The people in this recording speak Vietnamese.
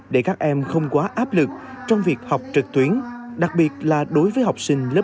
để các em không quá áp lực trong việc học trực tuyến đặc biệt là đối với học sinh lớp một